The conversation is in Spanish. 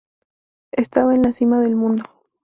Estaba en la cima del mundo.